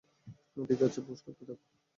ঠিক আছে, পুশ করতে থাকো।